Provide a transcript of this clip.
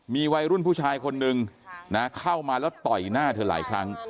มีวัยรุ่นผู้ชายคนนึงนะเข้ามาแล้วต่อยหน้าเธอหลายครั้ง